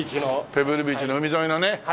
ペブルビーチの海沿いのね。